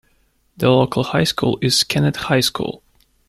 The local high school is Kennett High School.